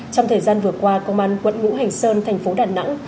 trong thời gian vừa qua công an quận ngũ hành sơn thành phố đà nẵng